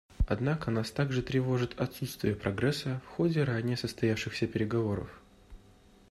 Однако нас также тревожит отсутствие прогресса в ходе ранее состоявшихся переговоров.